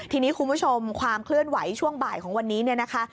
ทีนี้คุณผู้ชมความเคลื่อนไหวช่วงบ่ายของวันนี้เนี่ยนะคะ